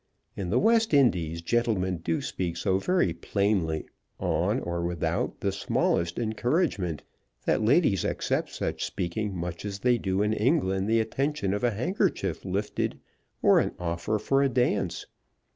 In the West Indies gentlemen do speak so very plainly, on, or without, the smallest encouragement, that ladies accept such speaking much as they do in England the attention of a handkerchief lifted or an offer for a dance.